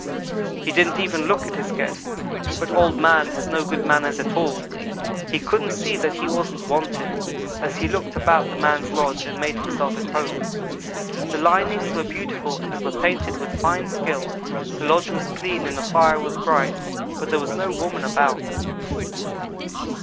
He didn't even look at his guest, but Old man has no good manners at all. He couldn't see that he wasn't wanted, as he looked about the man's lodge and made himself at home. The linings were beautiful and were painted with fine skill. The lodge was clean and the fire was bright, but there was no woman about.